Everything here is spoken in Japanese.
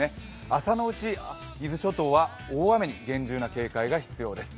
朝のうち、伊豆諸島は大雨に厳重な警戒が必要です。